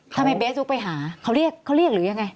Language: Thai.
ทำไมเบสลุกไปหาเขาเรียกหรือยังไง